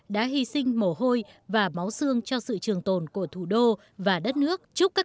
đã hy sinh mổ hôi và máu xương cho sự trường hợp